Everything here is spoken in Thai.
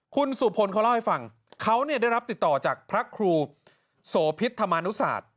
คุณสุพลเขาเล่าให้ฟังเขาได้รับติดต่อจากพระครูโสพิษธรรมานุศาสตร์